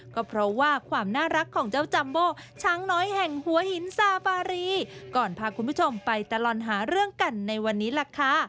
ก็เพราะว่าความน่ารักของเจ้าจัมโบช้างน้อยแห่งหัวหินซาฟารีก่อนพาคุณผู้ชมไปตลอดหาเรื่องกันในวันนี้ล่ะค่ะ